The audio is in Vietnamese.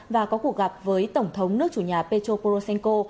và có cuộc gặp với tổng thống nước chủ nhà petro poroshenko